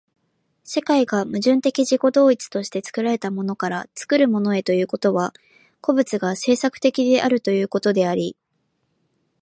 世界が矛盾的自己同一として作られたものから作るものへということは、個物が製作的であるということであり、